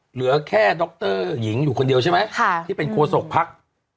เหลือแค่ดรหญิงอยู่คนเดียวใช่ไหมที่เป็นโคศกภักดิ์